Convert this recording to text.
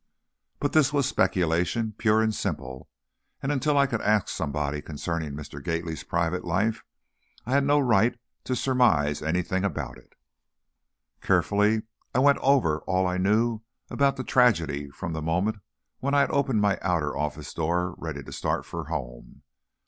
But this was speculation, pure and simple, and until I could ask somebody concerning Mr. Gately's private life, I had no right to surmise anything about it. Carefully, I went over all I knew about the tragedy from the moment when I had opened my outer office door ready to start for home.